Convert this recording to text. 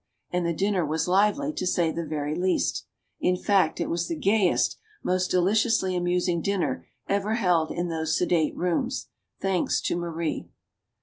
And the dinner was lively, to say the very least. In fact, it was the gayest, most deliciously amusing dinner ever held in those sedate rooms thanks to Marie.